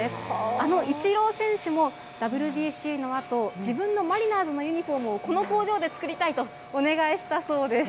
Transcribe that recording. あのイチロー選手も、ＷＢＣのあと、自分のマリナーズのユニホームをこの工場で作りたいとお願いしたそうです。